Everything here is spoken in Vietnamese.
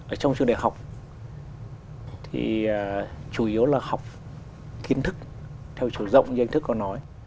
ở trong trường đại học thì chủ yếu là học kiến thức theo chiều rộng như anh thức có nói